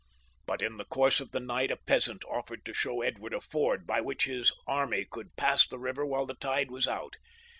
But in the course of the night a peasant offered to show Edward a ford by which his army could pass the river while the tide was out.